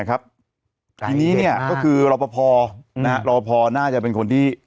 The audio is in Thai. ยังไงยังไงยังไงยังไง